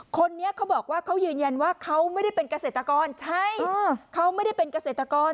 คนนี้เขาบอกว่าเขายืนยันว่าเขาไม่ได้เป็นเกษตรกรใช่เขาไม่ได้เป็นเกษตรกร